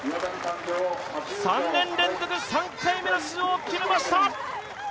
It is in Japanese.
３年連続３回目の出場を決めました。